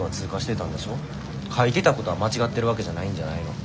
書いてたことは間違ってるわけじゃないんじゃないの。